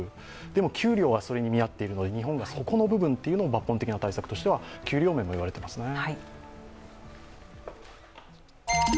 でも給料は見合っているので、日本はそこの抜本的な対策としては給料面も言われていますね。